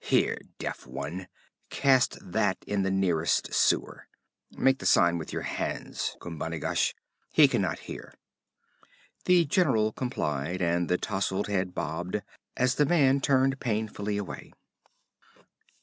'Here, deaf one; cast that in the nearest sewer. Make the sign with your hands, Khumbanigash. He can not hear.' The general complied, and the tousled head bobbed, as the man turned painfully away.